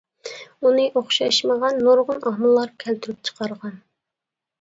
ئۇنى ئوخشاشمىغان نۇرغۇن ئامىللار كەلتۈرۈپ چىقارغان.